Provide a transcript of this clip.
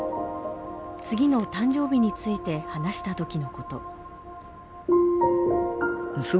次の誕生日について話した時のこと。